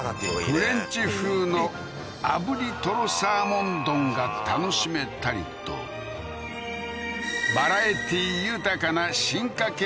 フレンチ風の炙りとろサーモン丼が楽しめたりとバラエティー豊かな進化形